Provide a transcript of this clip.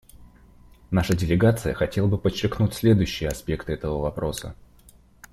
Наша делегация хотела бы подчеркнуть следующие аспекты этого вопроса.